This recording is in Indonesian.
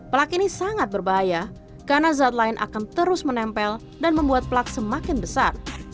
plak ini sangat berbahaya karena zat lain akan terus menempel dan membuat plak semakin besar